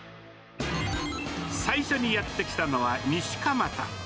最初にやって来たのは、西蒲田。